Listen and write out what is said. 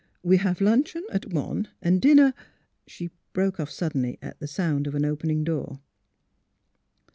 We have luncheon at one, and dinner " She broke off suddenly at sound of an open ing door.